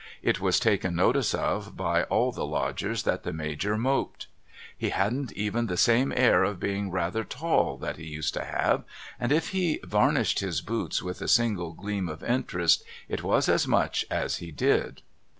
It was taken notice of by all the Lodgers that the Major moped. He hadn't even the same air of being rather tall that he used to have, and if he varnished his boots with a single gleam of interest it was as much as he did.